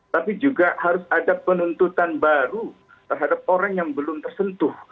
tapi juga harus ada penuntutan baru terhadap orang yang belum tersentuh